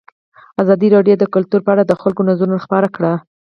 ازادي راډیو د کلتور په اړه د خلکو نظرونه خپاره کړي.